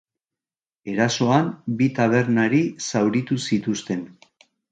Erasoan bi tabernari zauritu zituzten.